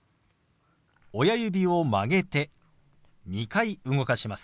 親指を曲げて２回動かします。